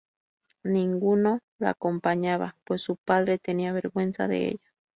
Ninguno la acompañaba, pues su padre tenía vergüenza de ella.